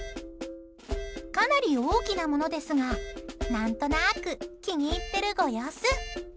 かなり大きなものですが何となく気に入っているご様子。